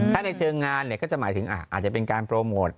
ถ้าในเชิงงานก็จะหมายถึงอาจจะเป็นการโปรโมท